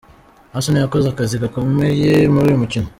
Arsenal yakoze akazi gakomeye muri uyu mukino.